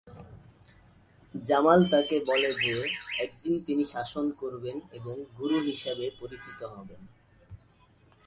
জামাল তাকে বলে যে একদিন তিনি শাসন করবেন এবং গুরু হিসাবে পরিচিত হবেন।